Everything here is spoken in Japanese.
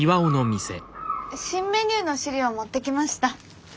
新メニューの資料持ってきました。